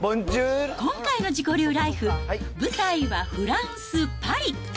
今回の自己流ライフ、舞台はフランス・パリ。